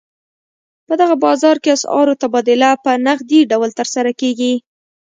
په دغه بازار کې اسعارو تبادله په نغدي ډول ترسره کېږي.